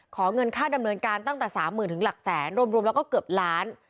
ขอเงินค่าดำเนินการตั้งแต่๓๐๐๐ถึงหลักแสนรวมแล้วก็เกือบล้าน